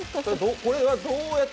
これはどうやって？